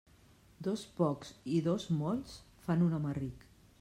Dos pocs i dos molts fan un home ric.